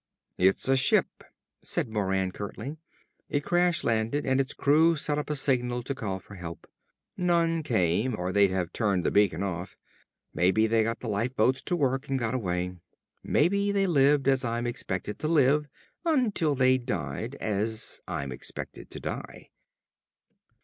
"It's a ship," said Moran curtly. "It crash landed and its crew set up a signal to call for help. None came, or they'd have turned the beacon off. Maybe they got the lifeboats to work and got away. Maybe they lived as I'm expected to live until they died as I'm expected to die."